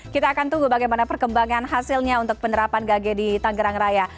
kita akan tunggu bagaimana perkembangan hasilnya untuk penerapan gage di tanggerang raya